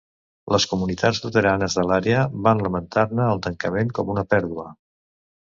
Les comunitats luteranes de l'àrea van lamentar-ne el tancament com una pèrdua.